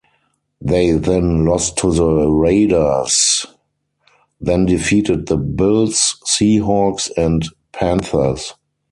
They then lost to the Raiders, then defeated the Bills, Seahawks, and Panthers.